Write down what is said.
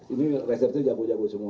ini resepsi jago jago semua